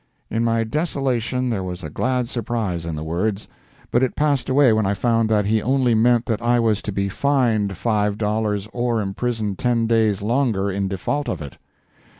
In my desolation there was a glad surprise in the words; but it passed away when I found that he only meant that I was to be fined five dollars or imprisoned ten days longer in default of it.